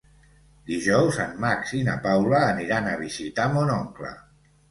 Dijous en Max i na Paula aniran a visitar mon oncle.